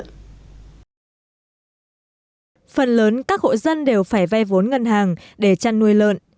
phần lớn các hộ dân đều phải ve vốn ngân hàng để chăn nuôi lợn